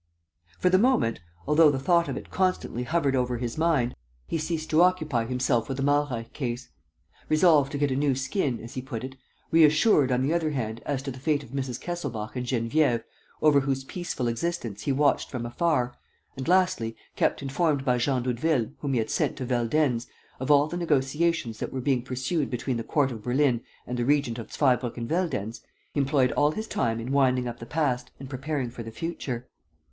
For the moment, although the thought of it constantly hovered over his mind, he ceased to occupy himself with the Malreich case. Resolved to get a new skin, as he put it; reassured, on the other hand, as to the fate of Mrs. Kesselbach and Geneviève, over whose peaceful existence he watched from afar; and, lastly, kept informed by Jean Doudeville, whom he had sent to Veldenz, of all the negotiations that were being pursued between the court of Berlin and the regent of Zweibrucken Veldenz, he employed all his time in winding up the past and preparing for the future.